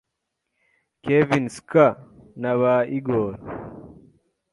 Kevin Skaa naba Igor,